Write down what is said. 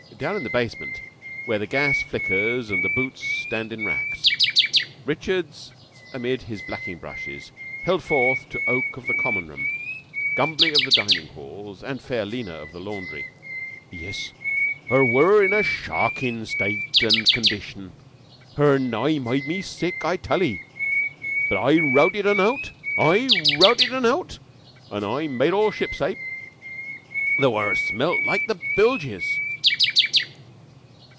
Down in the basement, where the gas flickers and the boots stand in racks, Richards, amid his blacking brushes, held forth to Oke of the Common room, Gumbly of the dining halls, and fair Lena of the laundry. "Yiss. Her were in a shockin' staate an' condition. Her nigh made me sick, I tal 'ee. But I rowted un out, and I rowted un out, an' I made all shipshape, though her smelt like to bilges."